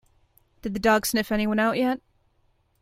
Did the dog sniff anyone out yet?